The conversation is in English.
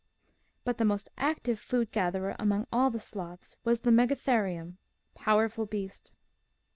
But the most active food gatherer among all the sloths was the Megatherium Powerful Beast.